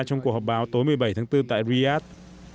trong cuộc họp báo tối một mươi bảy tháng bốn tại riyadh